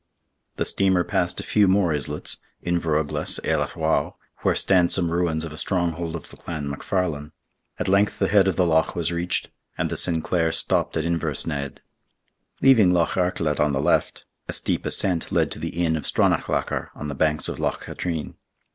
The steamer passed a few more islets, Inveruglas, Eilad whow, where stand some ruins of a stronghold of the clan MacFarlane. At length the head of the loch was reached, and the Sinclair stopped at Inversnaid. Leaving Loch Arklet on the left, a steep ascent led to the Inn of Stronachlacar, on the banks of Loch Katrine.